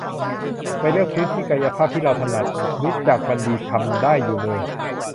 ไปเลือกพื้นที่กายภาพที่เราถนัด รู้จักมันดี ทำได้อยู่มือ